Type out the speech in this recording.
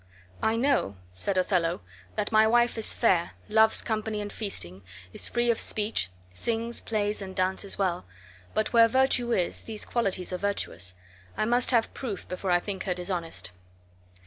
"I know," said Othello, "that my wife is fair, loves company and feasting, is free of speech, sings, plays, and dances well; but where virtue is, these qualities are virtuous. I must have proof before I think her dishonest."